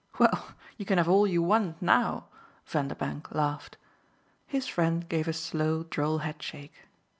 "Well, you can have all you want now!" Vanderbank laughed. His friend gave a slow droll headshake.